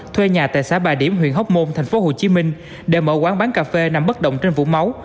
thuê nhà tại xã bà điểm huyện hóc môn tp hcm để mở quán bán cà phê nằm bất động trên vũ máu